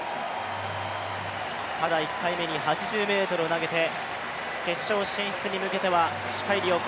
ただ、１回目に８０ｍを投げて決勝進出に向けては視界良好。